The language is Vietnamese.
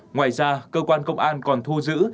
ngoài ra cơ quan công an còn thu giữ